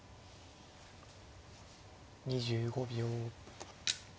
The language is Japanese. ２５秒。